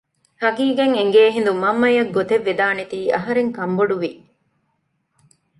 ހަޤީޤަތް އެނގޭ ހިނދު މަންމައަށް ގޮތެއްވެދާނެތީ އަހަރެން ކަންބޮޑުވި